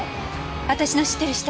私の知ってる人？